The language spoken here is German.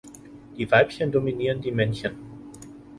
Die Weibchen dominieren die Männchen.